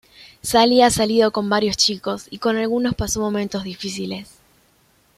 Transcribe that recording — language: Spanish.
Sally ha salido con varios chicos y con algunos pasó momentos difíciles.